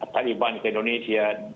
taliban ke indonesia